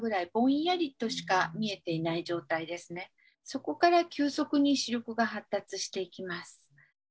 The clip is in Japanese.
そこから急速に視力が発達していきます。